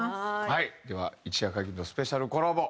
はいでは一夜限りのスペシャルコラボ